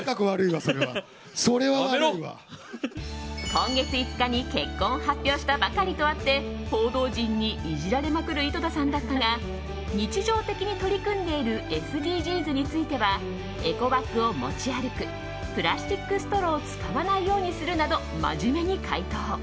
今月５日に結婚を発表したばかりとあって報道陣にいじられまくる井戸田さんだったが日常的に取り組んでいるＳＤＧｓについてはエコバッグを持ち歩くプラスチックストローを使わないようにするなど真面目に回答。